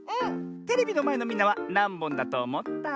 テレビのまえのみんなはなんぼんだとおもった？